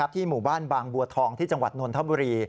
ที่หมู่บ้านบางบัวทองที่จังหวัดนนทบุรี